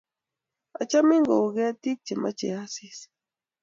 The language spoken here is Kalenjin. achamin ko u ketik chemache asis